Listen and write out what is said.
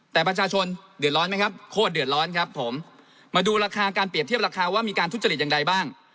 แต่ประชาชนเดือดร้อนไหมครับโคตรเดือดร้อนครับผมมาดูราคาการเปรียบเทียบราคาว่ามีการทุจริตอย่างไรบ้าง